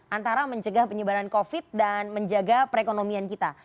antara mencegah penyebaran covid dan menjaga perekonomian kita